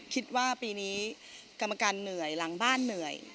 คิดว่าปีนี้กรรมการเหนื่อยหลังบ้านเหนื่อย